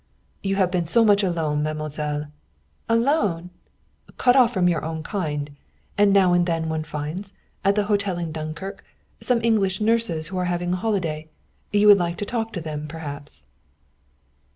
"You have been so much alone, mademoiselle " "Alone!" "Cut off from your own kind. And now and then one finds, at the hotel in Dunkirk, some English nurses who are having a holiday. You would like to talk to them perhaps."